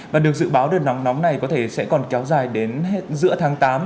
và được dự báo đợt nóng nóng này có thể sẽ còn kéo dài đến giữa tháng tám